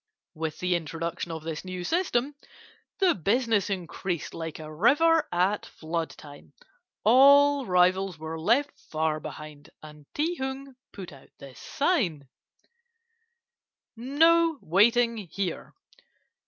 "With the introduction of this new system, the business increased like a river at flood time. All rivals were left far behind, and Ti Hung put out this sign: "NO WAITING HERE!